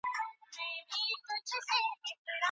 د واده لپاره درانه مصارف مه کوئ.